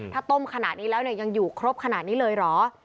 ถ้าต้มขนาดนี้แล้วเนี่ยยังอยู่ครบขนาดนี้เลยเหรอ